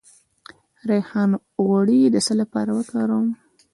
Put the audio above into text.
د ریحان غوړي د څه لپاره وکاروم؟